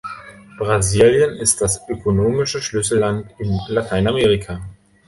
Brasilien ist das ökonomische Schlüsselland in Lateinamerika.